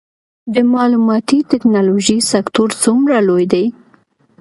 د معلوماتي ټیکنالوژۍ سکتور څومره لوی دی؟